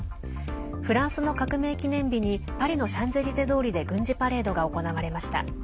フランスの革命記念日にパリのシャンゼリゼ通りで軍事パレードが行われました。